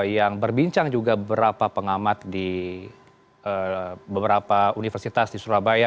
yang berbincang juga beberapa pengamat di beberapa universitas di surabaya